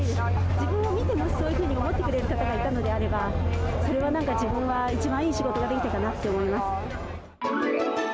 自分を見て、もしそういうふうに思ってくださる方がいたんだったら、それはなんか、自分は一番いい仕事ができたなと思います。